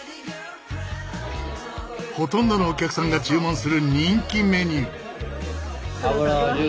ほとんどのお客さんが注文する人気メニュー。